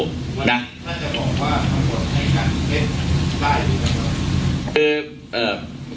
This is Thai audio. วันนี้ท่านจะบอกว่ามันบอกให้การเท็จกลายอยู่หรือเปล่า